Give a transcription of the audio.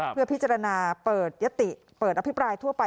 เพื่อพิจารณาเปิดยติเปิดอภิปรายทั่วไป